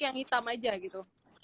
yang hitam aja gitu